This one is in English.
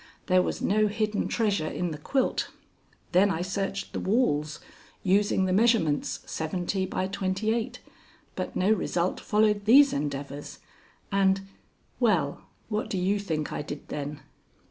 There was no hidden treasure in the quilt. Then I searched the walls, using the measurements seventy by twenty eight, but no result followed these endeavors, and well, what do you think I did then?"